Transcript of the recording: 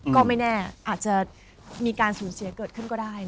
ก็ไม่แน่อาจจะมีการสูญเสียเกิดขึ้นก็ได้